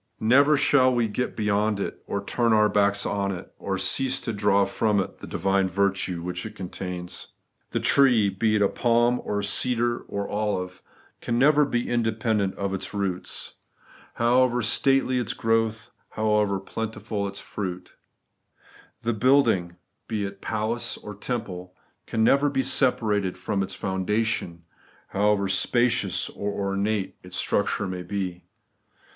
Never shall we get beyond it, or turn our backs on it, or cease to draw from it the divine virtue which it contains. The tree, be it palm, or cedar, or oUve, can never 64 ' The Everlasting BigJUecmsTiess. be independent of its roots, however stately its, growth, however plentiful its fruit. The building, be it palace or temple, can never be separated from its foundation, however spacious or ornate its structure may be.